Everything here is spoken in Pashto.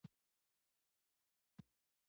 خو خوشاله په دې وم چې تر دې غټ توپونه نه ول.